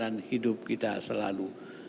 dan hidup kita selalu